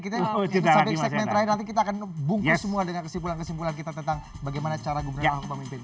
kita nanti kita akan bungkus semua dengan kesimpulan kesimpulan kita tentang bagaimana cara gubernur yang akan memimpin